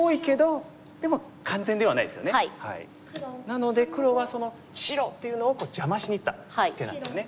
なので黒は白！っていうのを邪魔しにいった手なんですね。